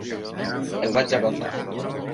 El vaig agafar.